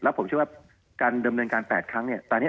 แล้วผมชูว่าการดำเนินการ๘ครั้ง